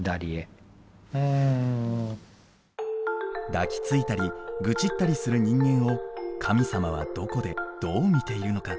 抱きついたり愚痴ったりする人間を神様はどこでどう見ているのか。